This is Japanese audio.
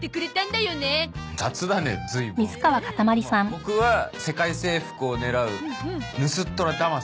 ボクは世界征服を狙うヌスットラダマス